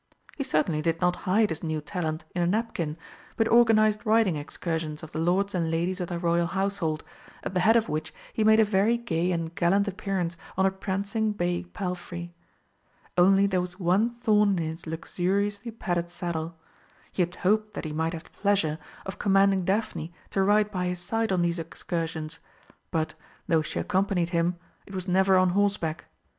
He certainly did not hide his new talent in a napkin, but organised riding excursions of the lords and ladies of the Royal household, at the head of which he made a very gay and gallant appearance on a prancing bay palfrey. Only there was one thorn in his luxuriously padded saddle. He had hoped that he might have the pleasure of commanding Daphne to ride by his side on these excursions, but, though she accompanied them, it was never on horseback.